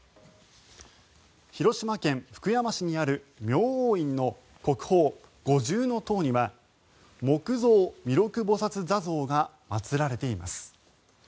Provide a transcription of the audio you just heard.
広島県福山市にある明王院の国宝五重塔には木造弥勒菩薩坐像が祭られています。